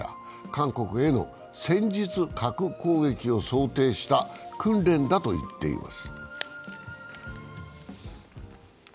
勧告への戦術核攻撃を想定した訓練だと言っています。